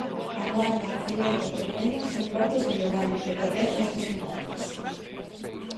A Guarda, Celeiro e Burela son portos onde van decorrer estas xuntanzas.